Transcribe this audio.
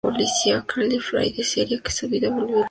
Clary Fray desearía que su vida volviera a la normalidad.